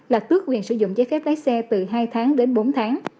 là tước quyền sử dụng giấy phép lái xe từ hai tháng đến bốn tháng